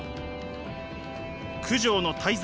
「九条の大罪」